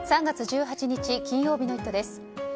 ３月１８日、金曜日の「イット！」です。